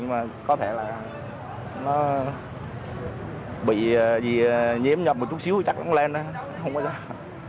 nhưng mà có thể là nó bị nhiễm nhập một chút xíu chặt nó lên á không biết sao